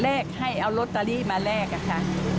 ให้เอาลอตเตอรี่มาแลกอะค่ะ